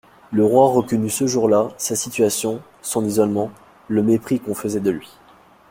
Le roi reconnut ce jour-là sa situation, son isolement, le mépris qu'on faisait de lui.